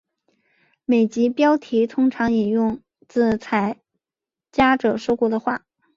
每集标题通常引用自参加者说过的话。